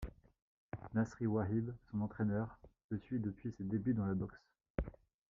Nasri Ouahib, son entraîneur, le suit depuis ses débuts dans la boxe.